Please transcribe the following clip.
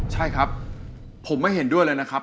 ใช่ครับผมไม่เห็นด้วยเลยนะครับ